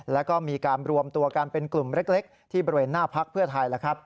แล้วก็มีการรวมตัวกันเป็นกลุ่มเล็กที่บริเวณหน้าพักเพื่อไทย